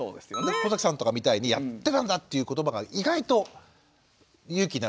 小崎さんとかみたいにやってたんだっていう言葉が意外と勇気になる。